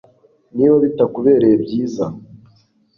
Niba bitakubereye byiza